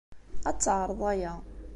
Ad teɛreḍ aya.